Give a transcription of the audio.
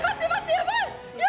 やばいよ！